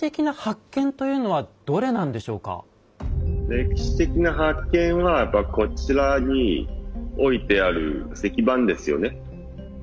歴史的な発見はやっぱこちらに置いてある石盤ですよね。